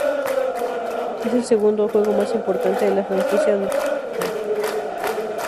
Es el segundo juego más importante de la franquicia "Dragon Age".